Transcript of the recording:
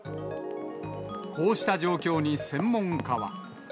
こうした状況に専門家は。